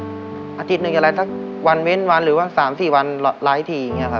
อาจมีอาทิตย์หนึ่งฟับวินวันหรือวันสามสี่วันไแล้ฟลายที